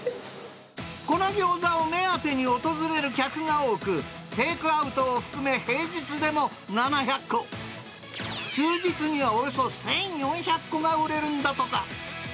このギョーザをお目当てに訪れる客が多く、テイクアウトを含め、平日でも７００個、休日にはおよそ１４００個が売れるんだとか。